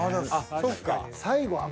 そっか。